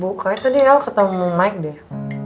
kayaknya tadi el ketemu mike deh